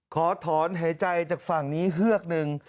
ขอถอนหายใจจากฝั่งนี้เฮือกหนึ่ง